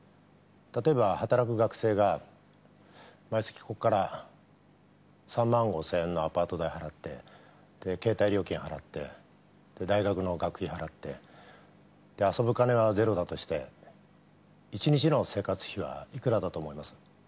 例えば働く学生が毎月ここから３万５０００円のアパート代払って携帯料金払ってで大学の学費払ってで遊ぶ金はゼロだとして１日の生活費はいくらだと思います？